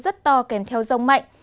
rất to kèm theo rông mạnh